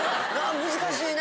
難しいね